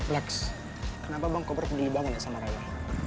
lex kenapa bang kopar peduli banget sama raya